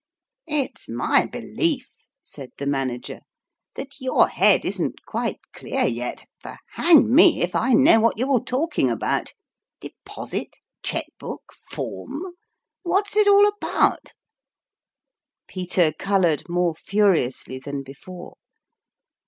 " It's my belief," said the Manager, " that your head isn't quite clear yet ; for, hang me if I know what you're talking about! De posit ? check book ? form ? What is it all about ?" Peter colored more furiously than before.